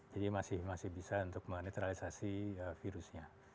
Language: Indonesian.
masih bisa untuk menetralisasi virusnya